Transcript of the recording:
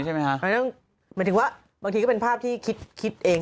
หมายถึงว่าบางทีก็เป็นภาพที่คิดเอง